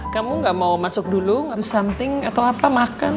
kamu gak mau masuk dulu harus something atau apa makan